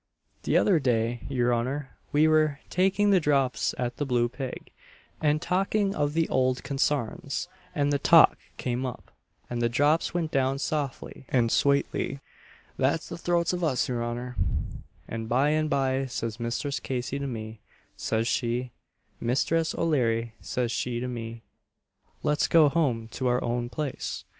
"T'other day, your honour, we were taking the drops at the Blue Pig, and talking of the ould consarns, and the talk came up, and the drops went down softly and swately that's the throats of us, your honour; and by and by, says Misthress Casey to me, says she 'Misthress O'Leary,' says she to me, 'let's be home to our own place.'